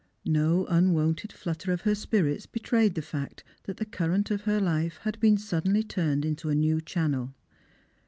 No unwonted flutter of her spirits betrayed the fact that the current of her life had been suddenly turned into a new channel.